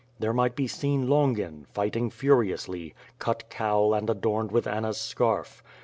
There might be seen Longin, fighting furiously, 'cut cowl' and adorned with Anna's scarf.